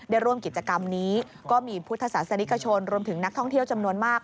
ได้ร่วมกิจกรรมนี้ก็มีพุทธศาสนิกชนรวมถึงนักท่องเที่ยวจำนวนมาก